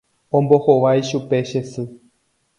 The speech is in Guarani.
Ombohovái chupe che sy.